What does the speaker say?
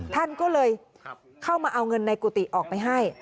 ท่านก็เลยเข้ามาเอาเงินในกุฏิออกไปให้